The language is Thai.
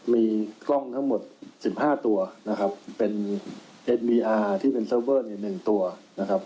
มีกล้องทั้งหมดสิบห้าตัวนะครับเป็นที่เป็นเซอร์เวอร์ในหนึ่งตัวนะครับ